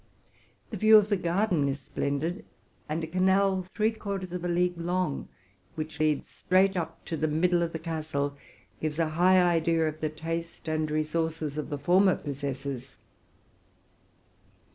The view of the garden is splendid; and a canal, three quarters of a league long, which leads straight up to the middle of the castle, gives a high idea of the taste and re sources of the former possessors.